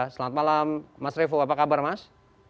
selamat malam mas revo apa kabar mas